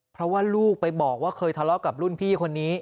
เพราะว่าลูกไปบอกว่าเคยทะเลาะกับรุ่นพี่คนนี้